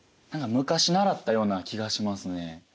何か昔習ったような気がしますね。